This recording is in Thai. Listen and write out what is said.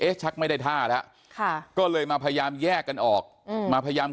ชักไม่ได้ท่าแล้วก็เลยมาพยายามแยกกันออกมาพยายาม